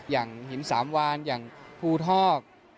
อย่างหินสามวานอย่างภูทอก